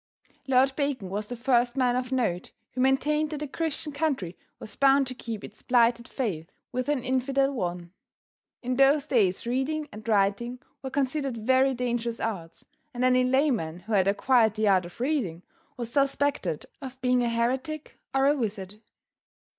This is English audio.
Lord Bacon was the first man of note who maintained that a Christian country was bound to keep its plighted faith with an Infidel one. In those days reading and writing were considered very dangerous arts, and any layman who had acquired the art of reading was suspected of being a heretic or a wizard.